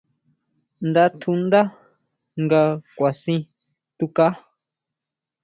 Nda tjundá nga kʼuasin tukaá.